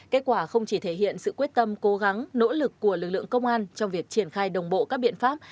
kết quả không chỉ thể hiện sự quyết tâm cố gắng nỗ lực của lực lượng công an trong việc triển khai đồng bộ các biện pháp